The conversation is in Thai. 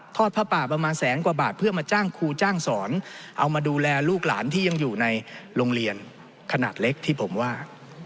ผ้าป่าประมาณแสนกว่าบาทเพื่อมาจ้างครูจ้างสอนเอามาดูแลลูกหลานที่ยังอยู่ในโรงเรียนขนาดเล็กที่ผมว่า